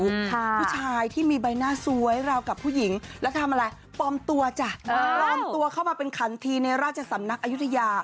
ผู้ชายที่มีใบหน้าสวยราวกับผู้หญิงแล้วทำอะไรปลอมตัวจ้ะปลอมตัวเข้ามาเป็นขันทีในราชสำนักอายุทยา